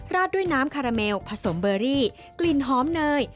ด้วยน้ำคาราเมลผสมเบอรี่กลิ่นหอมเนย